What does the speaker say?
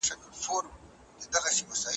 پښتو پانګه ساتي.